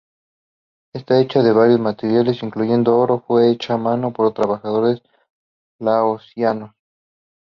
Está hecha de varios materiales incluyendo oro; fue hecha a mano por trabajadores laosianos.